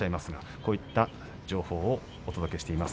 こういった情報をお届けしています。